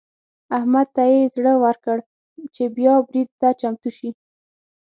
احمد ته يې زړه ورکړ چې بيا برید ته چمتو شي.